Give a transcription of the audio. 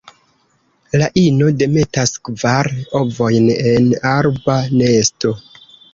La ino demetas kvar ovojn en arba nesto.